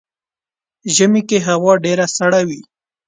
ژمی کې هوا ډیره سړه وي .